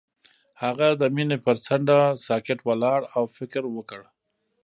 هغه د مینه پر څنډه ساکت ولاړ او فکر وکړ.